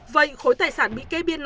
vậy khối tài sản bị kê biên nào